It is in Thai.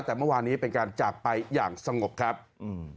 แต่เมื่อวานนี้เป็นการจากไปอย่างสงบครับอืม